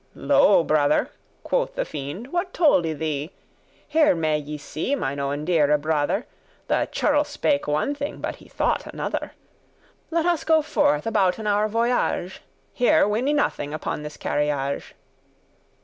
"Lo, brother," quoth the fiend, "what told I thee? Here may ye see, mine owen deare brother, The churl spake one thing, but he thought another. Let us go forth abouten our voyage; Here win I nothing upon this carriage."